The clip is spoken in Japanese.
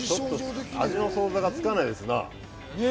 味の想像がつかないですな。